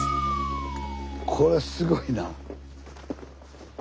これすごいな。